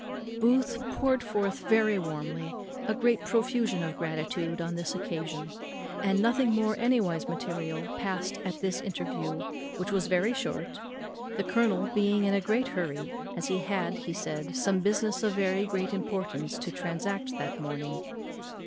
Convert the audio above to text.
Booth poured forth very warmly a great profusion of gratitude on this occasion; and nothing more anywise material passed at this interview, which was very short, the colonel being in a great hurry, as he had, he said, some business of very great importance to transact that morning.